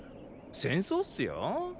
戦争っスよ。